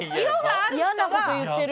嫌な事言ってる！